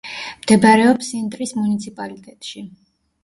მდებარეობს სინტრის მუნიციპალიტეტში.